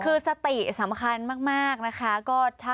คือสติสำคัญมากนะคะ